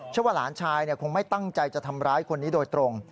ว่าหลานชายคงไม่ตั้งใจจะทำร้ายคนนี้โดยตรง